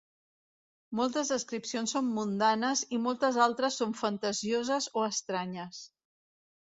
Moltes descripcions són mundanes i moltes altres són fantasioses o estranyes.